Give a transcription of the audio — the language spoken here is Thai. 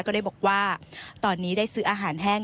ก็ได้บอกว่าตอนนี้ได้ซื้ออาหารแห้ง